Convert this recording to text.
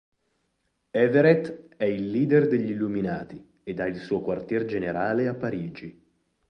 Everett è il leader degli Illuminati ed ha il suo quartier generale a Parigi.